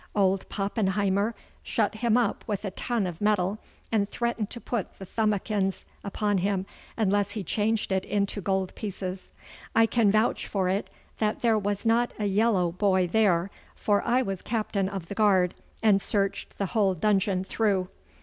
Old Pappenheimer shut him up with a ton of metal, and threatened to put the thumbikins upon him unless he changed it into gold pieces. I can vouch for it that there was not a yellow boy there, for I was captain of the guard and searched the whole dungeon through.